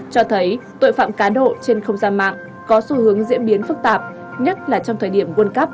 cho thấy tội phạm cá độ trên không gian mạng có xu hướng diễn biến phức tạp nhất là trong thời điểm world cup hai nghìn hai mươi